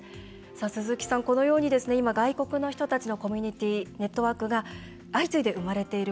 鈴木さん、このように今外国の人たちのコミュニティーネットワークが相次いで生まれている。